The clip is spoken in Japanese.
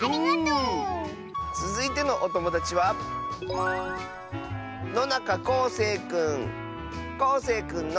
つづいてのおともだちはこうせいくんの。